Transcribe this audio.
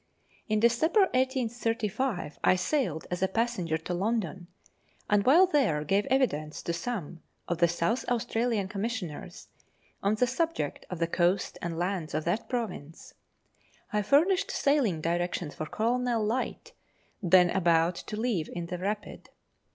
In December 1835 I sailed as a passenger to London, and while there gave evidence to some of the South Australian Com missioners on the subject of the coast and lands of that province. I furnished sailing directions for Colonel Light, then about to leave in the Rapid.